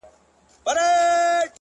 ه مړ او ځوانيمرگ دي سي ـ